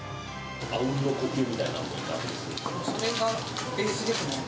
あうんの呼吸みたいなのってそれがベースですね。